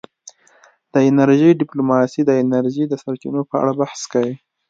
د انرژۍ ډیپلوماسي د انرژۍ د سرچینو په اړه بحث کوي